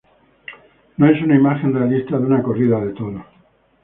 No es una imagen realista de una corrida de toros.